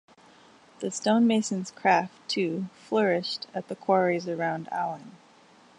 The stonemason's craft, too, flourished at the quarries around Auen.